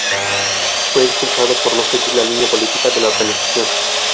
Fue expulsado por no seguir la línea política de la organización.